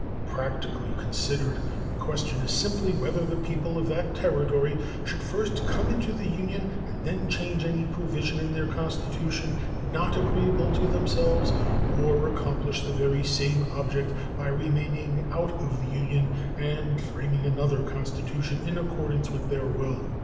Practically considered, the question is simply whether the people of that Territory should first come into the Union and then change any provision in their constitution not agreeable to themselves, or accomplish the very same object by remaining out of the Union and framing another constitution in accordance with their will.